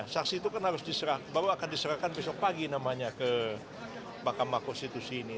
saksi itu kan harus diserah baru akan diserahkan besok pagi namanya ke mahkamah konstitusi ini